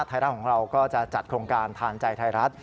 ไทยรัฐของเราก็จะจัดโครงการทานใจไทยรัฐ